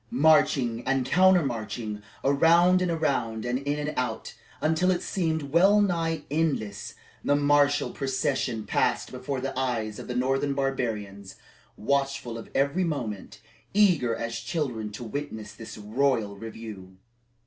Marching and counter marching, around and around, and in and out, until it seemed wellnigh endless, the martial procession passed before the eyes of the northern barbarians, watchful of every movement, eager as children to witness this royal review.